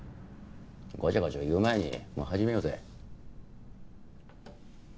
ごちゃごちゃ言う前に始めようぜ。